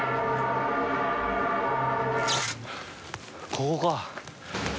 ここか。